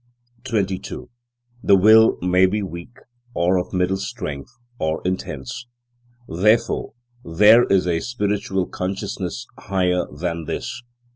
22. The will may be weak, or of middle strength, or intense. Therefore there is a spiritual consciousness higher than this.